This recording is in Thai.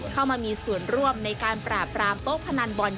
เข้ามามีส่วนร่วมในการปราบรามโต๊ะพนันบอล